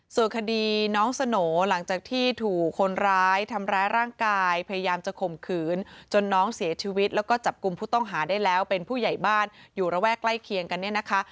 ส่วนคดีน้องสโหน่หลังจากที่ถูกคนร้ายทำร้ายร่างกายพยายามจะข่มขืนจนน้องเสียชีวิตแล้วก็จับกลุ่มผู้ต้องหาได้แล้วเป็นผู้ใหญ่บ้านอยู่ระแวกใกล้เคียงกันเนี่ยนะคะ